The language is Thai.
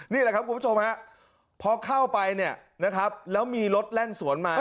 นี่แหละครับคุณผู้ชมฮะพอเข้าไปเนี่ยนะครับแล้วมีรถแล่นสวนมา